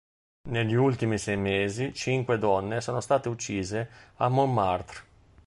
Negli ultimi sei mesi cinque donne sono state uccise a Montmartre.